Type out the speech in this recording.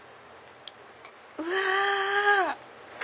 うわ！